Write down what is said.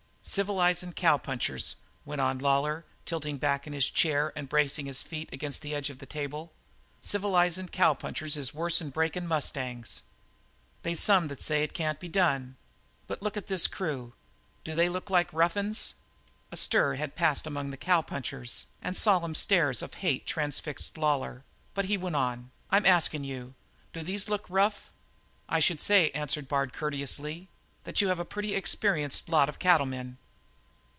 "Civilizin' cowpunchers," went on Lawlor, tilting back in his chair and bracing his feet against the edge of the table, "civilizin' cowpunchers is worse'n breakin' mustangs. They's some that say it can't be done. But look at this crew. Do they look like rough uns?" A stir had passed among the cowpunchers and solemn stares of hate transfixed Lawlor, but he went on: "I'm askin' you, do these look rough?" "I should say," answered Bard courteously, "that you have a pretty experienced lot of cattle men."